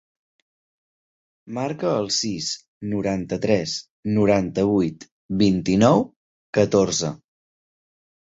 Marca el sis, noranta-tres, noranta-vuit, vint-i-nou, catorze.